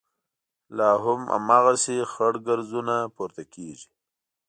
لا هم هماغسې خړ ګردونه پورته کېږي.